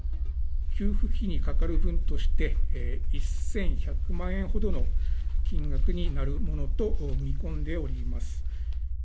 給付費にかかる分として、１１００万円ほどの金額になるものと見込んでおります。